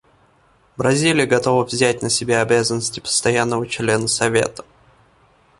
Бразилия готова взять на себя обязанности постоянного члена Совета.